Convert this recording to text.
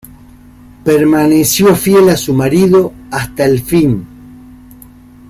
Permaneció fiel a su marido hasta el fin.